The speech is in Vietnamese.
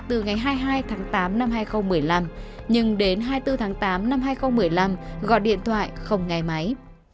từ ngày hai mươi hai tháng tám năm hai nghìn một mươi năm nhưng đến hai mươi bốn tháng tám năm hai nghìn một mươi năm gọi điện thoại không nghe máy